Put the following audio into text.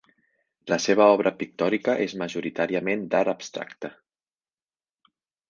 La seva obra pictòrica és majoritàriament d'art abstracte.